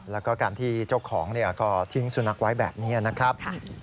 แล้วก็การที่เจ้าของก็ทิ้งสุนัขไว้แบบนี้นะครับ